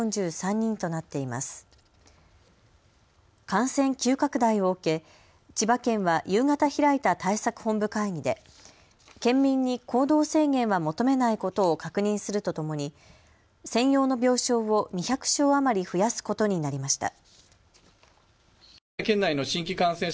感染急拡大を受け、千葉県は夕方開いた対策本部会議で県民に行動制限は求めないことを確認するとともに専用の病床を２００床余り増やすことになりました。